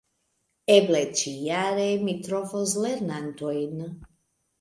Eble ĉijare mi trovos lernantojn.